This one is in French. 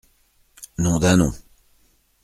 Nom d’un nom !